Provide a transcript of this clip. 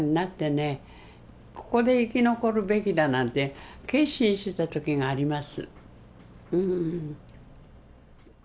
ここで生き残るべきだなんて決心した時があります。